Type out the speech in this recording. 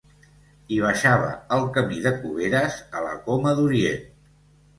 Hi baixava el Camí de Cuberes a la Coma d'Orient.